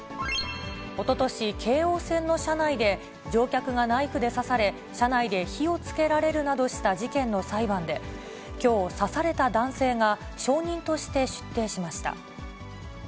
おととし、京王線の車内で、乗客がナイフで刺され、車内で火をつけられるなどした事件の裁判で、きょう、刺された男性が証人として出廷しました。